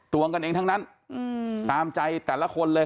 วงกันเองทั้งนั้นตามใจแต่ละคนเลย